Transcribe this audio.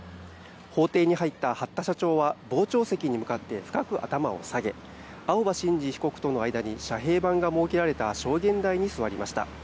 法廷に入った八田社長は傍聴席に向かって深く頭を下げ青葉真司被告との間に遮へい板が設けられた証言台に座りました。